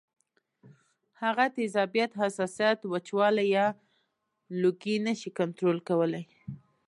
هغه تیزابیت ، حساسیت ، وچوالی یا لوګی نشي کنټرول کولی